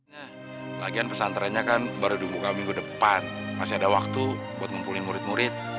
nah lagian pesantrennya kan baru dibuka minggu depan masih ada waktu buat ngumpulin murid murid